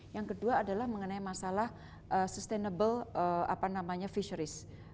yang kedua adalah mengenai masalah sustainable fisheries